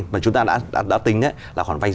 mà chúng ta đã tính là khoản vay